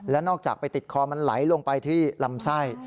นอกจากไปติดคอมันไหลลงไปที่ลำไส้